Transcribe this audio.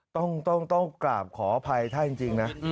ต้องกราบขออภัยท่านจริงนะ